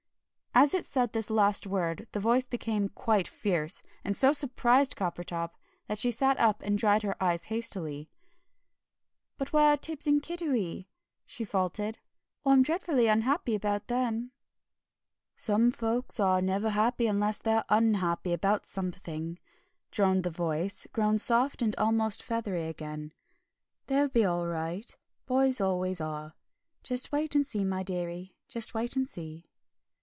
As it said this last word the voice became quite fierce, and so surprised Coppertop that she sat up and dried her eyes hastily. "But where are Tibbs and Kiddiwee?" she faltered. "I'm dreadfully unhappy about them." "Some folks are never happy unless they're unhappy about something!" droned the voice, grown soft and almost feathery again. "They'll be all right boys always are. Just wait and see, my dearie, just wait and see."